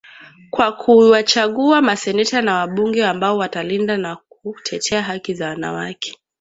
kwa kuwachagua maseneta na wabunge ambao watalinda na kutetea haki za wanawake